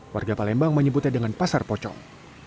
warga palembang menyebutnya dengan pasar pocong